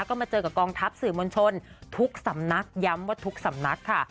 ก็มาเจอกับกองทัพสื่อมวลชนทุกสำนักย้ำว่าทุกสำนักค่ะ